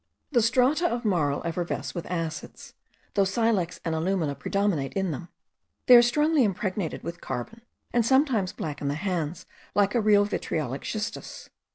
The strata of marl effervesce with acids, though silex and alumina predominate in them: they are strongly impregnated with carbon, and sometimes blacken the hands, like a real vitriolic schistus.